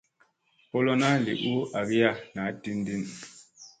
Ko lona li u agiya na din din.